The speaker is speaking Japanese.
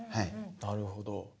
なるほど。